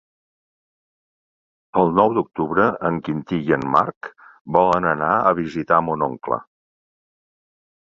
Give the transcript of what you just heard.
El nou d'octubre en Quintí i en Marc volen anar a visitar mon oncle.